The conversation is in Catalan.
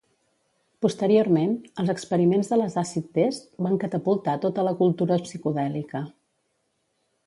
Posteriorment, els experiments de les Acid Test van catapultar tota la cultura psicodèlica.